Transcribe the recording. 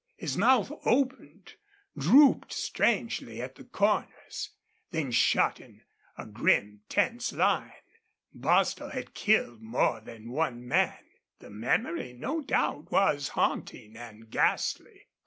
His mouth opened, drooped strangely at the corners, then shut in a grim, tense line. Bostil had killed more than one man. The memory, no doubt, was haunting and ghastly.